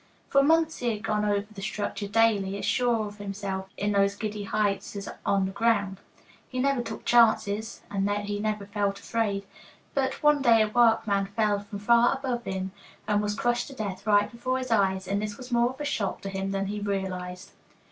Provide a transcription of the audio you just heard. For months he had gone over the structure daily, as sure of himself at those giddy heights as on the ground. He never took chances, and he never felt afraid. But one day a workman fell from far above him and was crushed to death right before his eyes, and this was more of a shock to him than he realized.